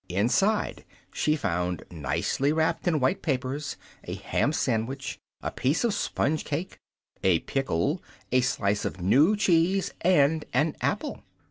Inside she found, nicely wrapped in white papers, a ham sandwich, a piece of sponge cake, a pickle, a slice of new cheese and an apple.